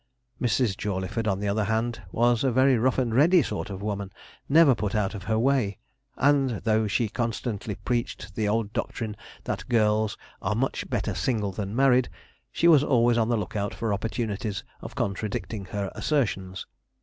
Mrs. Jawleyford, on the other hand, was a very rough and ready sort of woman, never put out of her way; and though she constantly preached the old doctrine that girls 'are much better single than married,' she was always on the look out for opportunities of contradicting her assertions.